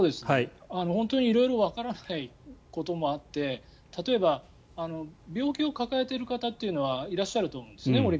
本当に色々わからないこともあって例えば病気を抱えている方というのはいらっしゃると思うんですね。